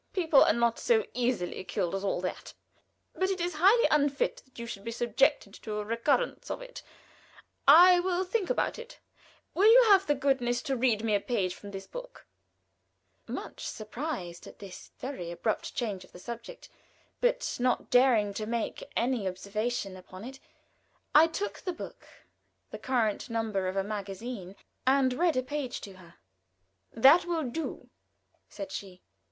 People are not so easily killed as all that; but it is highly unfit that you should be subjected to a recurrence of it. I will think about it. Will you have the goodness to read me a page of this book?" Much surprised at this very abrupt change of the subject, but not daring to make any observation upon it, I took the book the current number of a magazine and read a page to her. "That will do," said she.